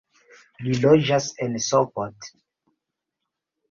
Li loĝas en Sopot.